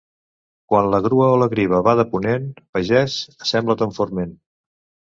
Quan la grua o la griva ve de ponent, pagès, sembra ton forment.